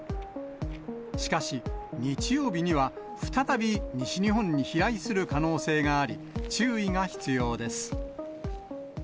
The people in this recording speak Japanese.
しかし、日曜日には再び西日本に飛来する可能性があり、注意が必要です。